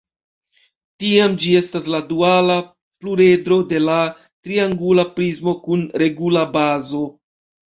Tiam gi estas la duala pluredro de la triangula prismo kun regula bazo.